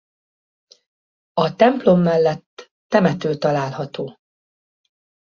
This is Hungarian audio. A templom mellett temető található.